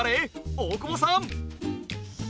大久保さん。